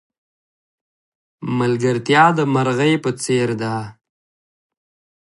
ملگرتیا د مرغی په څېر ده.